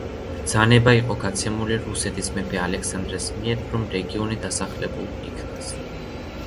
ბრძანება იყო გაცემული რუსეთის მეფე ალექსანდრეს მიერ, რომ რეგიონი დასახლებულ იქნას.